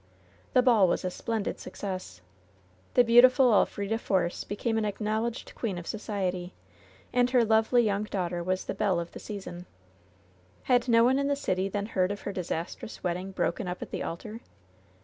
The ball was a splendid success. The beautiful Elf rida Force became an acknowledged queen of society, and her lovely young daughter was the belle of the season. Had no one in the city then heard of her disastrous wedding broken up at the altar